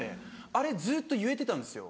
あれずっと言えてたんですよ